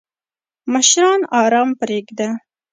مشران آرام پریږده!